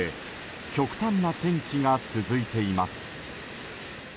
極端な天気が続いています。